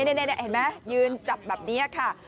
นี่เห็นไหมยืนจับแบบนี้ค่ะ